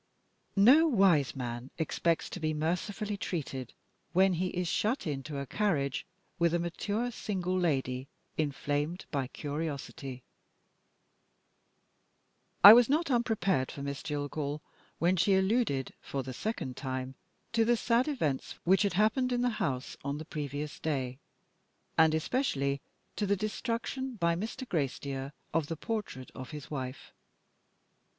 No wise man expects to be mercifully treated, when he is shut into a carriage with a mature single lady, inflamed by curiosity. I was not unprepared for Miss Jillgall when she alluded, for the second time, to the sad events which had happened in the house on the previous day and especially to the destruction by Mr. Gracedieu of the portrait of his wife.